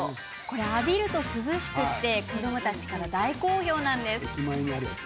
浴びると涼しくて子どもたちから大好評なんです。